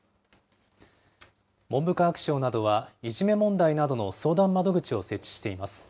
文部科学省などは、いじめ問題などの相談窓口を設置しています。